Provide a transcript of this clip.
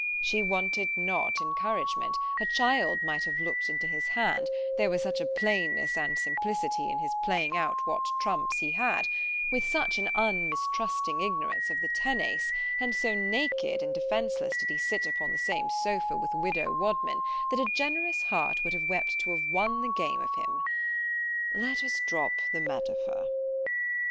She wanted not encouragement: a child might have look'd into his hand——there was such a plainness and simplicity in his playing out what trumps he had——with such an unmistrusting ignorance of the ten ace——and so naked and defenceless did he sit upon the same sopha with widow Wadman, that a generous heart would have wept to have won the game of him. Let us drop the metaphor.